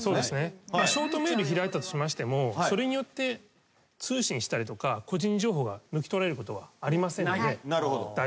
ショートメール開いたとしましてもそれによって通信したり個人情報が抜き取られることはありませんので大丈夫です。